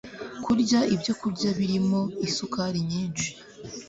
kurya ibyo kurya birimo isukari nyinshi